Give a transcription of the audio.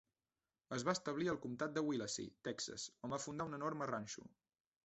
Es va establir al comtat de Willacy, Texas, on va fundar un enorme ranxo.